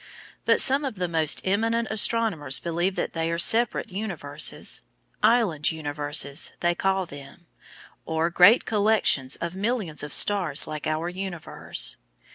But some of the most eminent astronomers believe that they are separate universes "island universes" they call them or great collections of millions of stars like our universe.